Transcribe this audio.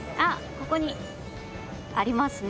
ここにありますね。